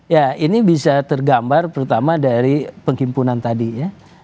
ya ini bisa tergambar terutama dari penghimpunan tadi ya